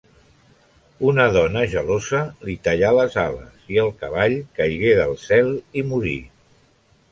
Una dona gelosa li tallà les ales i el cavall caigué del cel i morí.